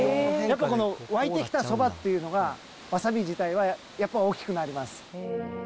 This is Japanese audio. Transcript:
湧いてきたそばっていうのが、わさび自体がやっぱ大きくなります。